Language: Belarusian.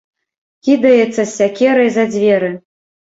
Кідаецца з сякерай за дзверы.